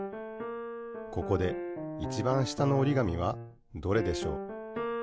ここでいちばん下のおりがみはどれでしょう？